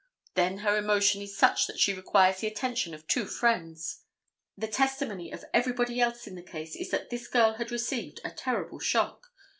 Then her emotion is such that she requires the attention of her two friends. The testimony of everybody else in the case is that this girl had received a terrible shock.